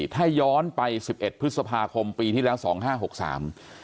ถ้าย้อนไปสิบเอ็ดพฤษภาคมปีที่แล้วสองห้าหกสาม